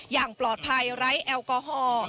อย่างปลอดภัยไร้แอลกอฮอล์